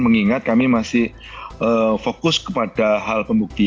mengingat kami masih fokus kepada hal pembuktian